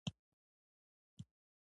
اوبه د مدرسې ماشوم ته یخ څښاک دی.